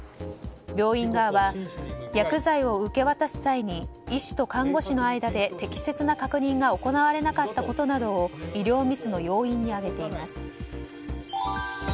病院側は薬剤を受け渡す際に医師と看護師の間で適切な確認が行われなかったことなどを医療ミスの要因に挙げています。